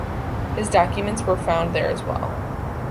His documents were found there as well.